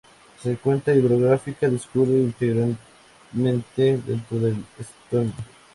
Su cuenca hidrográfica discurre íntegramente dentro de Estonia.